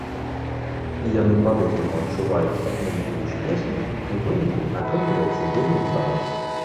Яны па-рознаму адчуваюць адну і тую ж песню, і ў выніку атрымліваецца вельмі ўдала.